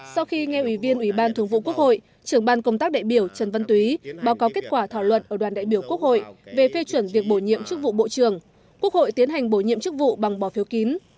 sau khi nghe ủy viên ủy ban thường vụ quốc hội trưởng ban công tác đại biểu trần văn túy báo cáo kết quả thảo luận ở đoàn đại biểu quốc hội về phê chuẩn việc bổ nhiệm chức vụ bộ trưởng quốc hội tiến hành bổ nhiệm chức vụ bằng bỏ phiếu kín